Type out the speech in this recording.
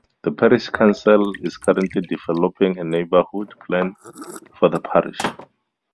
The Parish Council is currently developing a Neighbourhood Plan for the parish.